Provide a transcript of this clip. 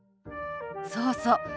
そうそう。